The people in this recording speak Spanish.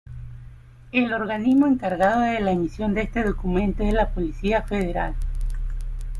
El organismo encargado de la emisión de este documento es la Policía Federal.